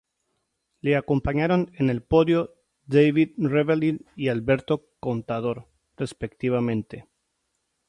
Le acompañaron en el podio Davide Rebellin y Alberto Contador, respectivamente.